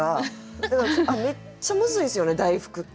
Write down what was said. めっちゃむずいんすよね大福って。